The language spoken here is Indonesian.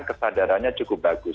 kesadarannya cukup bagus